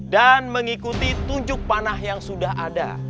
dan mengikuti tunjuk panah yang sudah ada